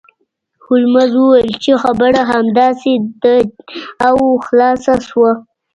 هولمز وویل چې خبره همداسې ده او خلاصه شوه